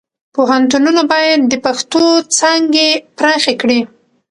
پوهنتونونه باید د پښتو څانګې پراخې کړي.